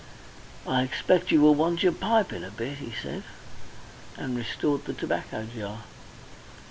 "I expect you will want your pipe in a bit," he said, and restored the tobacco jar.